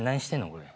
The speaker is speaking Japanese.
これ。